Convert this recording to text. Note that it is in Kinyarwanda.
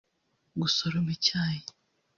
gusoroma icyayi